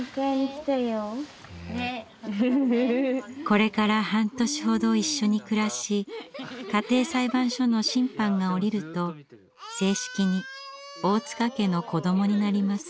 これから半年ほど一緒に暮らし家庭裁判所の審判が下りると正式に大塚家の子どもになります。